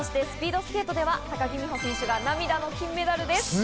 スピードスケートでは高木美帆選手が涙の金メダルです。